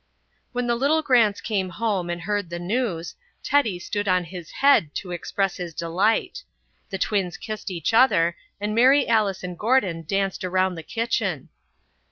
When the little Grants came home and heard the news, Teddy stood on his head to express his delight, the twins kissed each other, and Mary Alice and Gordon danced around the kitchen.